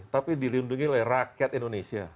tapi dilindungi oleh rakyat indonesia